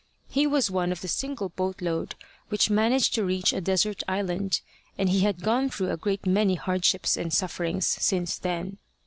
He was one of the single boat load which managed to reach a desert island, and he had gone through a great many hardships and sufferings since then.